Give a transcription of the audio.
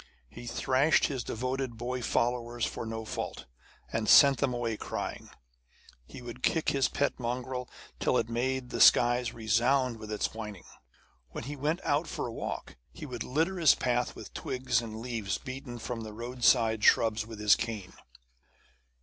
He thrashed his devoted boy followers for no fault, and sent them away crying. He would kick his pet mongrel till it made the skies resound with its whinings. When he went out for a walk, he would litter his path with twigs and leaves beaten from the roadside shrubs with his cane.